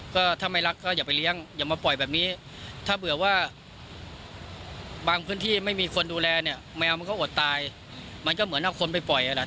ก็ถ้าไม่รักก็อย่าไปเลี้ยงอย่ามาปล่อยแบบนี้ถ้าเผื่อว่าบางพื้นที่ไม่มีคนดูแลเนี่ยแมวมันก็อดตายมันก็เหมือนเอาคนไปปล่อยอ่ะแหละ